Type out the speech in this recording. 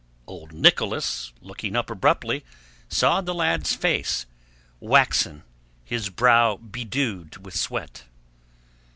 Old Nicholas, looking up abruptly, saw the lad's face, waxen, his brow bedewed with sweat.